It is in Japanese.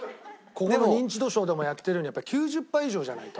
ここの『ニンチドショー』でもやってるようにやっぱり９０パー以上じゃないと。